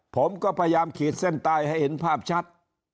ผมก็พยายามขีดเส้นตายให้เห็นภาพชัด